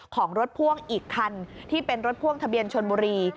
ของรถพ่วงอีกคันที่เป็นรถพ่วงทะเบียนชนบุรี